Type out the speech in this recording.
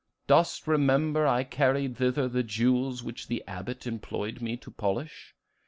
Dost remember I carried thither the jewels which the Abbot employed me to polish?